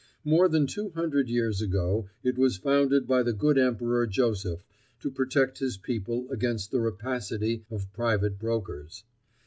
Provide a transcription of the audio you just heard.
More than two hundred years ago it was founded by the good Emperor Joseph to protect his people against the rapacity of private brokers.